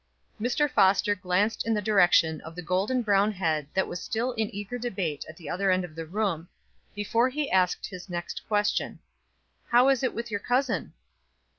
Mr. Foster glanced in the direction of the golden brown head that was still in eager debate at the other end of the room, before he asked his next question. "How is it with your cousin?"